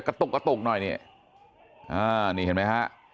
กระตุ๊กน้อยเนี่ย